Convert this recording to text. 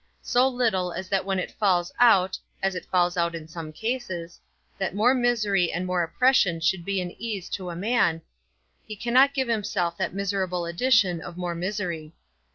So little as that when it falls out (as it falls out in some cases) that more misery and more oppression would be an ease to a man, he cannot give himself that miserable addition of more misery.